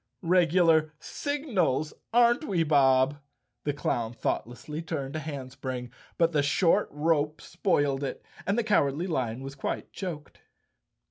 "Regular signals, aren't we, Bob?" The clown thoughtlessly turned a handspring, but the short rope spoiled it and the Cowardly Lion was quite choked.